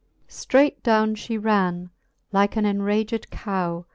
XLVI. Streight downe fhe ranne, like an enraged cow.